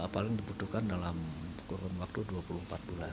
paling dibutuhkan dalam kurun waktu dua puluh empat bulan